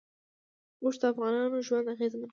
اوښ د افغانانو ژوند اغېزمن کوي.